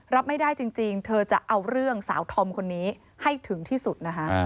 รับไม่ได้จริงเธอจะเอาเรื่องสาวธอมคนนี้ให้ถึงที่สุดนะคะ